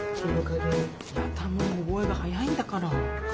やだもう覚えが早いんだから。